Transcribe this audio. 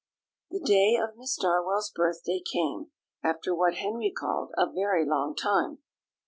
The day of Miss Darwell's birthday came, after what Henry called a very long time.